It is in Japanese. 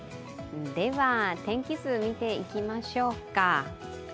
天気図、見ていきましょうか。